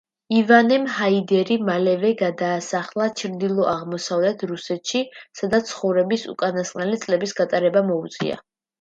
ივანემ ჰაიდერი მალევე გადაასახლა ჩრდილო-აღმოსავლეთ რუსეთში, სადაც ცხოვრების უკანასკნელი წლების გატარება მოუწია.